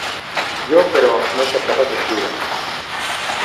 Jo, però, no he estat capaç d’escriure més.